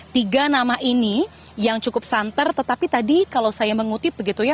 tiga nama ini yang cukup santer tetapi tadi kalau saya mengutip begitu ya